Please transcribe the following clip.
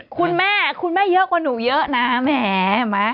คุณแม่คุณแม่เยอะกว่าหนูเยอะนะแหม